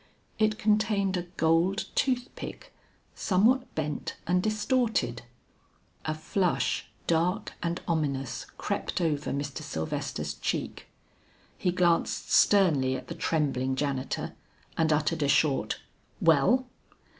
It contained a gold tooth pick somewhat bent and distorted. A flush dark and ominous crept over Mr. Sylvester's cheek. He glanced sternly at the trembling janitor, and uttered a short, "Well?"